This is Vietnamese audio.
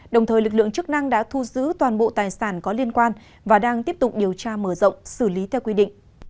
đồng thời lực lượng chức năng đã thu giữ toàn bộ tài sản có liên quan và đang tiếp tục điều tra mở rộng xử lý theo quy định